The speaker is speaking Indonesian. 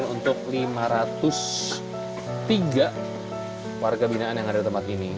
untuk lima ratus tiga warga binaan yang ada di tempat ini